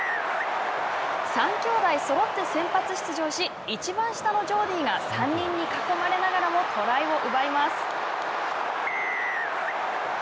３兄弟そろって先発出場しいちばん下のジョーディーが３人に囲まれながらもトライを奪います。